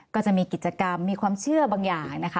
ก็จะมีกิจกรรมมีความเชื่อบางอย่างนะคะ